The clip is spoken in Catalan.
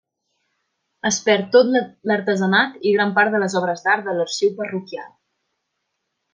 Es perd tot l'artesanat i gran part de les obres d'art de l'arxiu parroquial.